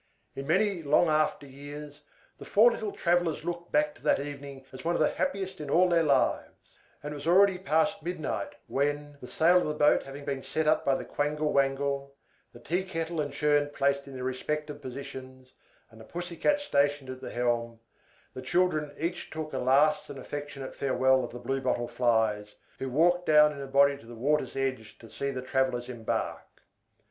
In many long after years, the four little travellers looked back to that evening as one of the happiest in all their lives; and it was already past midnight when the sail of the boat having been set up by the Quangle Wangle, the tea kettle and churn placed in their respective positions, and the Pussy Cat stationed at the helm the children each took a last and affectionate farewell of the Blue Bottle Flies, who walked down in a body to the water's edge to see the travellers embark.